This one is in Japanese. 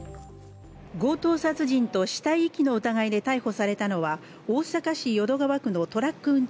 強盗殺人と死体遺棄の疑いで逮捕されたのは大阪市淀川区のトラック